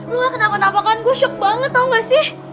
lu gak kenapa napa kan gua shock banget tau gak sih